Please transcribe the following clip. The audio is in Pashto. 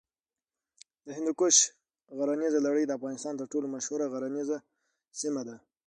د هندوکش غرنیزه لړۍ د افغانستان تر ټولو مشهوره غرنیزه سیمه ده.